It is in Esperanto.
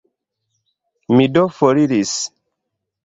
Mi do foriris.